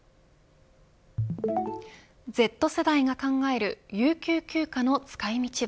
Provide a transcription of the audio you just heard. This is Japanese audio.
Ｚ世代が考える有給休暇の使い道は。